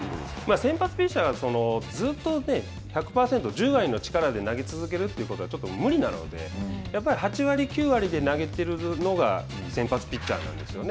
先発ピッチャーはずっと１００％、１０割の力で投げ続けるということは無理なのでやっぱり８割、９割で投げているのが先発ピッチャーなんですよね。